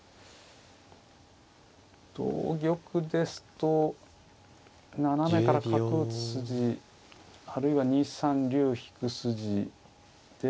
同玉ですと斜めから角打つ筋あるいは２三竜引く筋で。